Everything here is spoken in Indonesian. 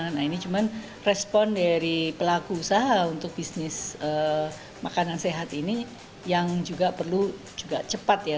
nah ini cuma respon dari pelaku usaha untuk bisnis makanan sehat ini yang juga perlu juga cepat ya